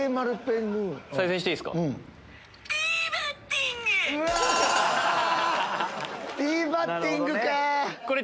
「ティーバッティング」か！